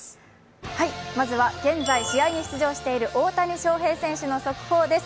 まずは現在、試合に出場している大谷翔平選手の速報です。